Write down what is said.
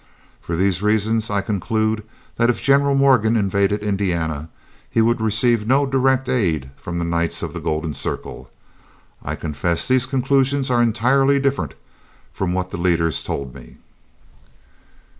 For these reasons I conclude that if General Morgan invaded Indiana he would receive no direct aid from the Knights of the Golden Circle. I confess these conclusions are entirely different from what the leaders told me.